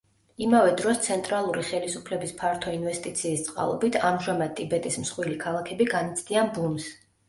იმავე დროს ცენტრალური ხელისუფლების ფართო ინვესტიციის წყალობით ამჟამად ტიბეტის მსხვილი ქალაქები განიცდიან ბუმს.